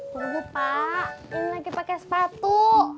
tunggu pak ini lagi pakai sepatu